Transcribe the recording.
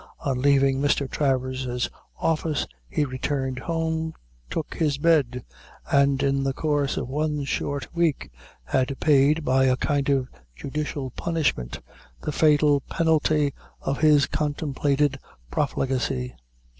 On leaving Mr. Travers' office, he returned home, took his bed, and; in the course of one short week, had paid, by a kind of judicial punishment, the fatal penalty of his contemplated profligacy.